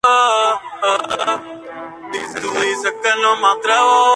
En ninguna de sus seis participaciones se metió en la final.